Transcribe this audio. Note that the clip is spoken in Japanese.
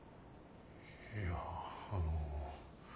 いやあの。